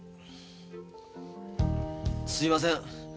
すいません。